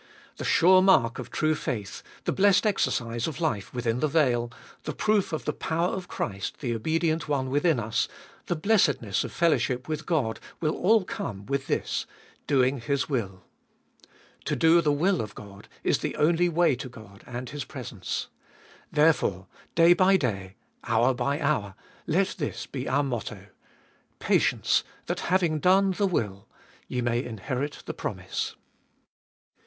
The sure mark of true faith, the blessed exercise of life within the veil, the proof of the power of Christ, the obedient One within us, the blessed ness of fellowship with God will all come with this — doing His will. To do the will of God is the only way to God and His presence. Therefore, day by day, hour by hour, let this be our motto : Patience, that having done the will, ye may inherit the promise.